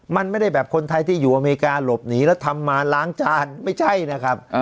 มันไม่ได้แบบคนไทยที่อยู่อเมริกาหลบหนีแล้วทำมาล้างจานไม่ใช่นะครับ